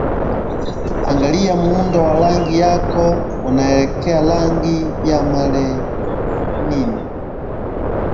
Angalia muundo wa rangi yako unaelekea rangi ya melanini